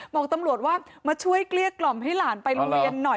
บอกตำรวจว่ามาช่วยเกลี้ยกล่อมให้หลานไปโรงเรียนหน่อย